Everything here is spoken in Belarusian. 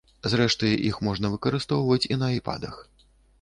Зрэшты, іх можна выкарыстоўваць і на айпадах.